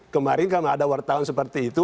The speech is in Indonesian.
kemarin karena ada wartawan seperti itu